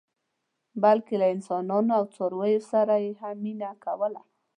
بلکې له انسانانو او څارویو سره یې هم مینه کوله.